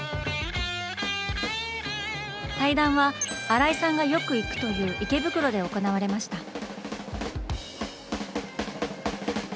対談は新井さんがよく行くという池袋で行われました。